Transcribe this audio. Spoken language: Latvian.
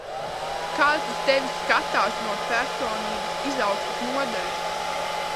Kāds uz tevi skatās no personības izaugsmes nodaļas.